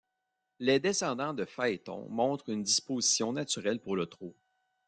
Les descendants de Phaéton montrent une disposition naturelle pour le trot.